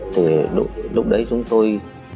thì lúc đấy chúng tôi